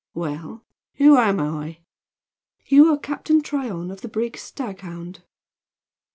"Well, who am I?" "You are Captain Tryon of the brig Staghound."